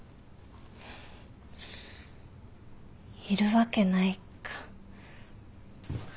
いるわけないか。